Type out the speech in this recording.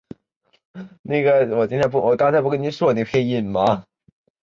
佐贺县唐津市至伊万里市间沿东松浦半岛玄界滩而建。